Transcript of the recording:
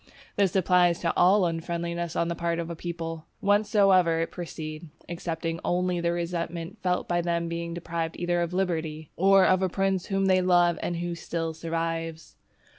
This applies to all unfriendliness on the part of a people, whencesoever it proceed, excepting only the resentment felt by them on being deprived either of liberty, or of a prince whom they love and who still survives.